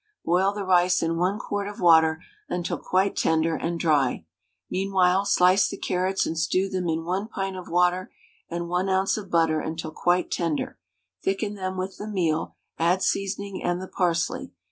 Boil the rice in 1 quart of water until quite tender and dry; meanwhile slice the carrots and stew them in 1 pint of water and 1 oz. of butter until quite tender, thicken them with the meal, add seasoning and the parsley.